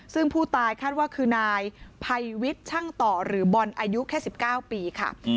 ซึ่งผู้ตายคาดว่าคือนายภัยวิทย์ช่างต่อหรือบอลอายุแค่๑๙ปีค่ะ